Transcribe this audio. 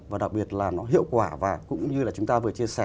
và đặc biệt là nó hiệu quả và cũng như là chúng ta vừa chia sẻ